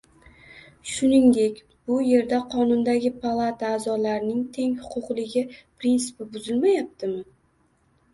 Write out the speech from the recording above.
Shuningdek, bu yerda Qonundagi Palata a’zolarining teng huquqliligi prinsipi buzilmayaptimi?